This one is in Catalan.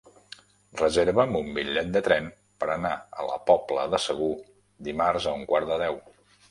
Reserva'm un bitllet de tren per anar a la Pobla de Segur dimarts a un quart de deu.